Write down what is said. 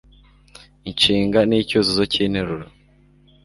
inshinga n'icyuzuzo cy'interuro